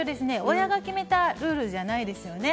親が決めたルールじゃないですよね。